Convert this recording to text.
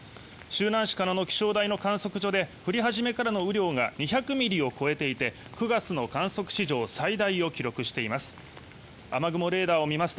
周南市の気象台の観測所で降り始めからの雨量が２００ミリを超えていて９月の観測史上最大を記録しています。